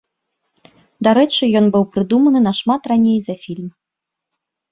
Дарэчы, ён быў прыдуманы нашмат раней за фільм.